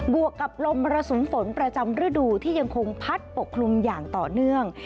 วกกับลมมรสุมฝนประจำฤดูที่ยังคงพัดปกคลุมอย่างต่อเนื่อง